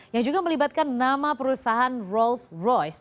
yang juga melibatkan nama perusahaan rolls royce